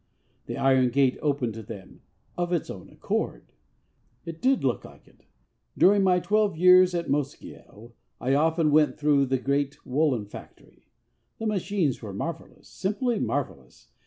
'The iron gate opened to them of its own accord.' It did look like it. During my twelve years at Mosgiel, I often went through the great woollen factory. The machines were marvellous simply marvellous.